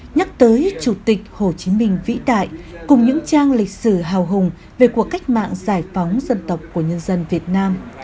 nhắc tới chủ tịch hồ chí minh vĩ đại cùng những trang lịch sử hào hùng về cuộc cách mạng giải phóng dân tộc của nhân dân việt nam